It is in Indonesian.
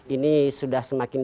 ini sudah semakin